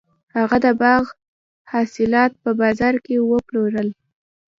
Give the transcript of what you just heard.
هغه د باغ حاصلات په بازار کې وپلورل.